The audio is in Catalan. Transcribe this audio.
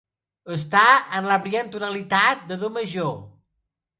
Està en la brillant tonalitat de do major.